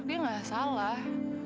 dia ga salah